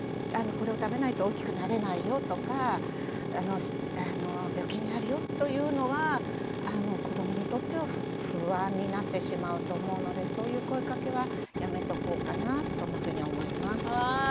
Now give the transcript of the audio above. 「これを食べないと大きくなれないよ」とか「病気になるよ」というのは子どもにとっては不安になってしまうと思うのでそういう声かけはやめとこうかなそんなふうに思います。